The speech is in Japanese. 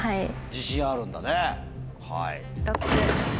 自信あるんだね。